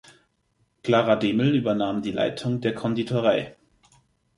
Klara Demel übernahm die Leitung der Konditorei.